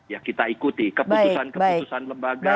ya kita ikuti keputusan keputusan lembaga